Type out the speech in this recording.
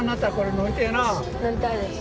乗りたいです。